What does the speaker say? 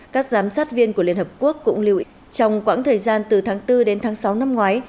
các giám sát viên của liên hợp quốc cũng lưu ý trong quãng thời gian từ tháng bốn đến tháng sáu năm ngoái